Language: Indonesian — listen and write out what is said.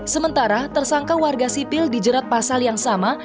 sementara tersangka warga sipil dijerat pasal yang sama